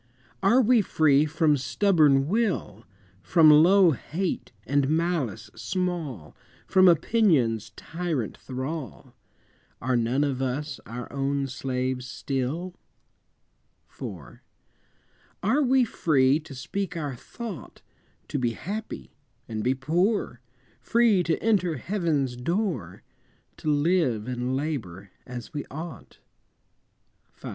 Are we free from stubborn will, From low hate and malice small, From opinion's tyrant thrall? Are none of us our own slaves still? IV. Are we free to speak our thought, To be happy, and be poor, Free to enter Heaven's door, To live and labor as we ought? V.